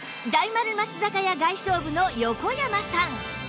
大丸松坂屋外商部の横山さん